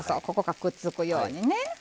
ここがくっつくようにね。